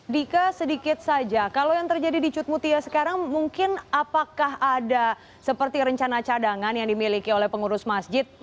dika sedikit saja kalau yang terjadi di cutmutia sekarang mungkin apakah ada seperti rencana cadangan yang dimiliki oleh pengurus masjid